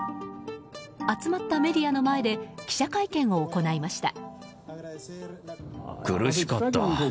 集まったメディアの前で記者会見を行いました。